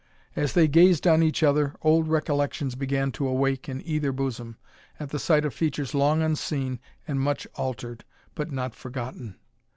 As they gazed on each other, old recollections began to awake in either bosom, at the sight of features long unseen and much altered, but not forgotten.